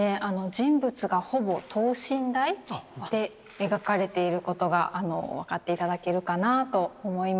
人物がほぼ等身大で描かれていることが分かって頂けるかなと思います。